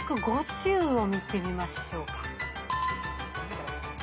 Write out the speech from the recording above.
１５０を見てみましょうか。